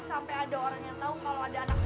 sampai ada orang yang tahu kalau ada anaknya